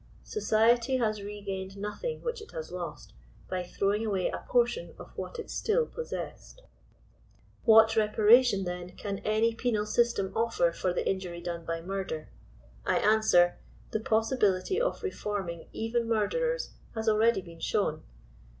Society has regained nothing which it has lost, by throwing away a portion of what it still possessed. What reparation, then, can any penal system offer for the injury done by murder ? 1 answer, the possibility of reforming even murderers has already be^n shown.